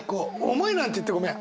「重い」なんて言ってごめん。